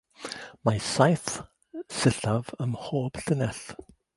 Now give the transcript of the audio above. Mae saith sillaf ym mhob llinell.